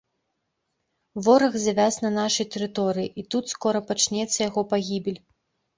Вораг завяз на нашай тэрыторыі, і тут скора пачнецца яго пагібель.